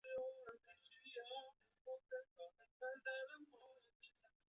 这三个国家分别为阿根廷。